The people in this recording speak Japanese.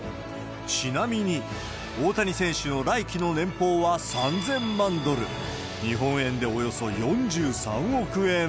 ちなみに、大谷選手の来季の年俸は３０００万ドル、日本円でおよそ４３億円。